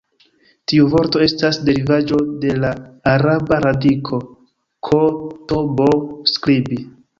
Tiu vorto estas derivaĵo de la araba radiko "k-t-b" 'skribi'.